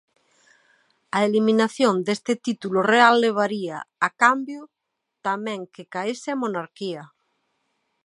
A eliminación deste título real levaría, a cambio, tamén que caese a monarquía.